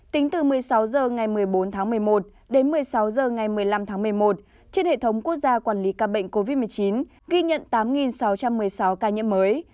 tính từ một mươi sáu h ngày một mươi bốn tháng một mươi một đến một mươi sáu h ngày một mươi năm tháng một mươi một trên hệ thống quốc gia quản lý ca bệnh covid một mươi chín ghi nhận tám sáu trăm một mươi sáu ca nhiễm mới